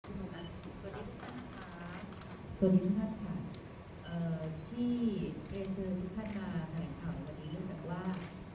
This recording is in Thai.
สวัสดีทุกคนค่ะสวัสดีพุทธค่ะที่เตรียมเชิญพิพัฒนาแหล่งข่าววันนี้เนื่องจากว่า